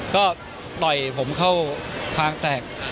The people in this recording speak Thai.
ก็ต่อยผมเข้าทางแตก